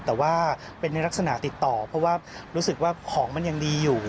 แต่ว่าเป็นในลักษณะติดต่อเพราะว่ารู้สึกว่าของมันยังดีอยู่